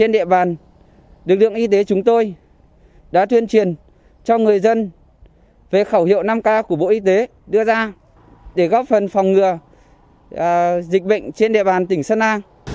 trên địa bàn lực lượng y tế chúng tôi đã tuyên truyền cho người dân về khẩu hiệu năm k của bộ y tế đưa ra để góp phần phòng ngừa dịch bệnh trên địa bàn tỉnh sơn la